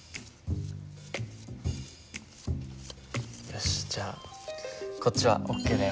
よしじゃあこっちはＯＫだよ。